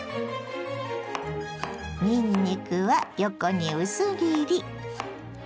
にんにくは横に薄切り。